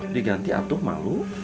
diganti atuh malu